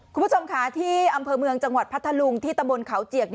คุณผู้ชมค่ะที่อำเภอเมืองจังหวัดพัทธลุงที่ตำบลเขาเจียก